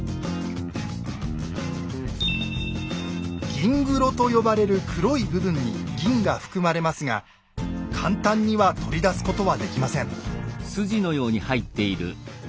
「銀黒」と呼ばれる黒い部分に銀が含まれますが簡単には取り出すことはできません。